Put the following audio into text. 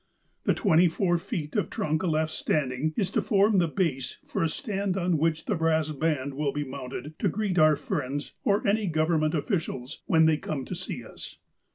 The twenty four feet of trunk left standing is to form the base for a stand on which the brass band will be mounted to greet our friends, or any Government officials, when they come to see us.